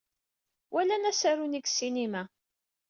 Walan asaru-nni deg ssinima.